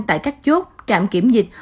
tại các chốt trạm kiểm dịch